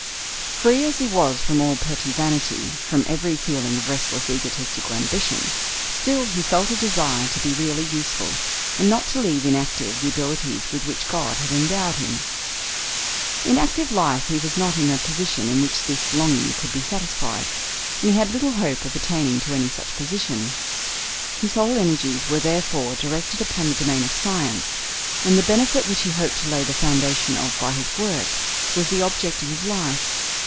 Free as he was from all petty vanity, from every feeling of restless, egotistical ambition, still he felt a desire to be really useful, and not to leave inactive the abilities with which God had endowed him. In active life he was not in a position in which this longing could be satisfied, and he had little hope of attaining to any such position: his whole energies were therefore directed upon the domain of science, and the benefit which he hoped to lay the foundation of by his work was the object of his life.